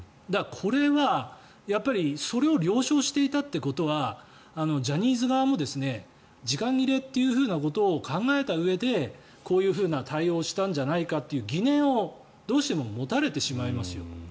これはそれを了承していたということはジャニーズ側も時間切れということを考えたうえでこういう対応をしたんじゃないかという疑念をどうしても持たれてしまいますよ。